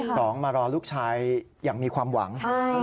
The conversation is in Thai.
สองมารอลูกชายอย่างมีความหวัง